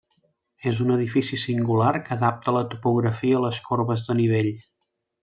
És un edifici singular, que adapta la topografia a les corbes de nivell.